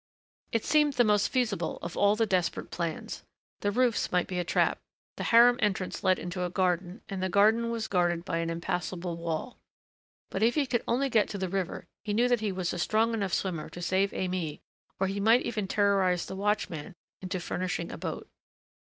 It seemed the most feasible of all the desperate plans. The roofs might be a trap. The harem entrance led into a garden and the garden was guarded by an impassable wall. But if he could only get to the river he knew that he was a strong enough swimmer to save Aimée, or he might even terrorize the watchman into furnishing a boat.